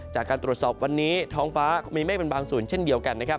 จากการตรวจสอบวันนี้ท้องฟ้ามีเมฆเป็นบางส่วนเช่นเดียวกันนะครับ